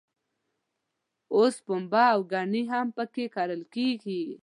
اوس پنبه او ګني هم په کې کرل کېږي.